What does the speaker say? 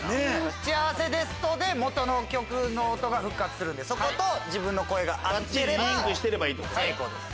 「『幸せです』と」でもとの曲の音が復活するんでそこと自分の声が合ってれば成功です。